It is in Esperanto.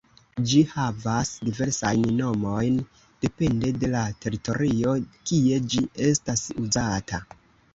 Ĝi havas diversajn nomojn depende de la teritorio kie ĝi estas uzata.